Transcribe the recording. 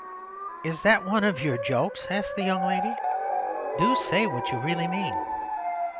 "Is that one of your jokes?" asked the young lady. "Do say what you really mean."